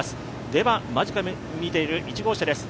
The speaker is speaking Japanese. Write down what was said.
では、間近で見ている１号車です。